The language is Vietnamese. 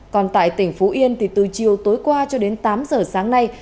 còn tại tỉnh phú yên thì từ chiều tối qua cho đến tám giờ sáng nay